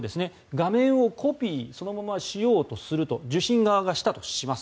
画面をコピーそのまましようとすると受信側がしたとします。